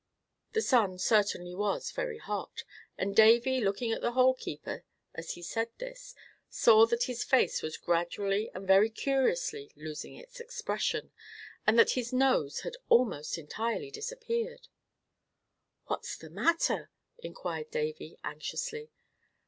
The sun certainly was very hot, and Davy, looking at the Hole keeper as he said this, saw that his face was gradually and very curiously losing its expression, and that his nose had almost entirely disappeared. "What's the matter?" inquired Davy, anxiously.